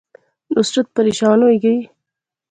نصرت پریشان ہوئی گئی